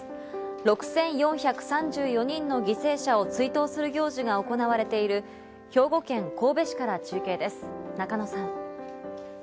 ６４３４人の犠牲者を追悼する行事が行われている兵庫県神戸市から中継です、中野さん。